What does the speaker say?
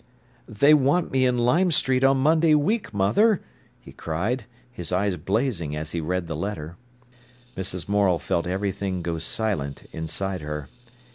"They want me in Lime Street on Monday week, mother," he cried, his eyes blazing as he read the letter. Mrs. Morel felt everything go silent inside her.